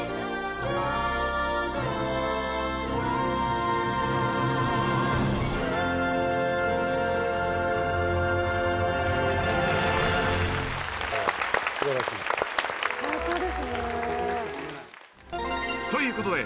［ということで］